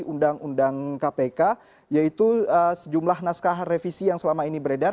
undang undang kpk yaitu sejumlah naskah revisi yang selama ini beredar